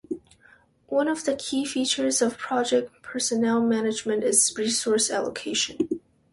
One of the key features of project personnel management is resource allocation.